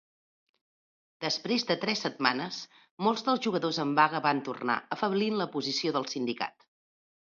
Després de tres setmanes, molts dels jugadors en vaga van tornar, afeblint la posició del sindicat.